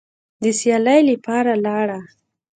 د سیالۍ لپاره لاړه